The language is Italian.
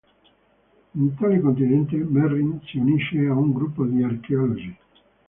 In tale continente, Merrin si unisce ad un gruppo di archeologi.